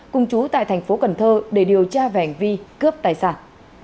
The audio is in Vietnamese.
cùng chú tại thành phố cần thơ để điều tra vẻn vi cướp tài sản